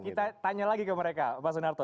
kita tanya lagi ke mereka pak sunarto